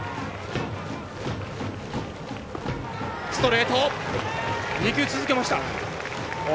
ストレート２球続けました。